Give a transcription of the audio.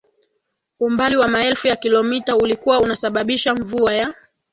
umbali wa maelfu ya kilomita ulikuwa unasababisha mvua ya